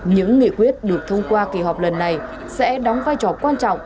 những nghị quyết được thông qua kỳ họp lần này sẽ đóng vai trò quan trọng